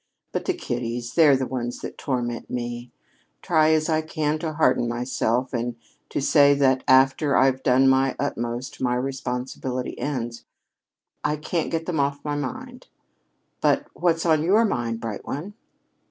But the kiddies they're the ones that torment me. Try as I can to harden myself, and to say that after I've done my utmost my responsibility ends, I can't get them off my mind. But what's on your mind, bright one?"